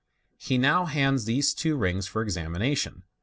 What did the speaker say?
He now hands these two rings for examination.